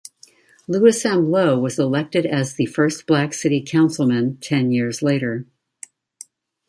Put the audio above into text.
Lewis M. Lowe was elected as the first black city councilman ten years later.